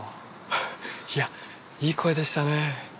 いやいい声でしたね。